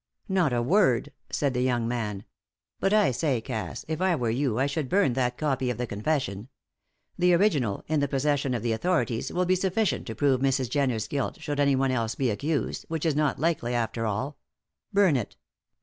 "Not a word," said the young man. "But I say, Cass, if I were you I should burn that copy of the confession. The original, in the possession of the authorities, will be sufficient to prove Mrs. Jenner's guilt should anyone else be accused, which is not likely after all. Burn it."